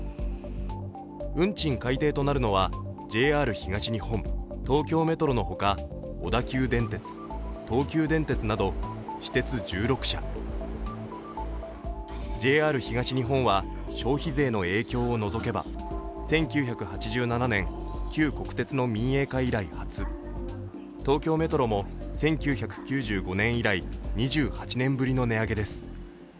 運賃改定となるのは、ＪＲ東日本、東京メトロのほか小田急電鉄、東急電鉄など私鉄１６社ＪＲ東日本は消費税の影響を除けば１９８７年、旧国鉄の民営化以来初、東京メトロも、１９９５年以来２８年ぶりの値上げです。